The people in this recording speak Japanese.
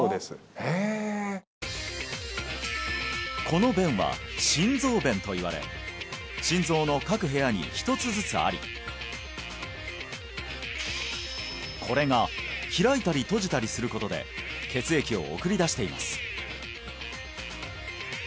この弁は心臓弁といわれ心臓の各部屋に一つずつありこれが開いたり閉じたりすることで血液を送り出しています